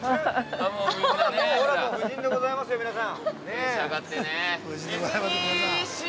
◆夫人でございますよ、皆さん。